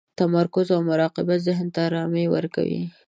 تمرکز او مراقبه ذهن ته ارامي ورکوي.